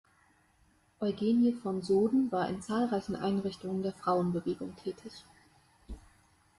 Eugenie von Soden war in zahlreichen Einrichtungen der Frauenbewegung tätig.